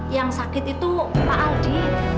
yang sakit itu pak aldi